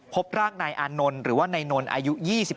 พบรากนายอานนลหรือว่านายนลอายุ๒๖